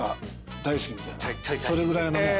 それぐらいなもん。